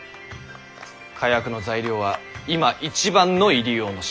火薬の材料は今一番の入り用の品。